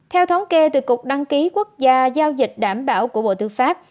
theo thống kê từ cục đăng ký quốc gia giao dịch đảm bảo của bộ tư pháp